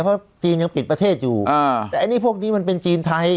เพราะจีนยังปิดประเทศอยู่แต่อันนี้พวกนี้มันเป็นจีนไทย